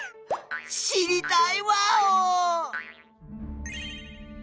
知りたいワオ！